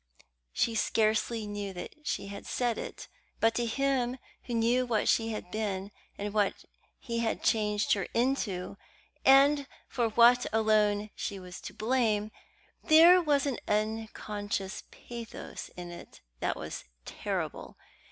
She scarcely knew that she had said it; but to him who knew what she had been, and what he had changed her into, and for what alone she was to blame, there was an unconscious pathos in it that was terrible.